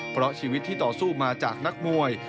เพราะชีวิตที่ต่อสู้มาจากนักมวย